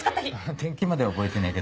天気までは覚えてねえけど。